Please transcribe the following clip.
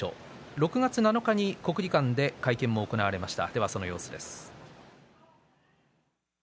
６月７日に国技館で会見が行われました。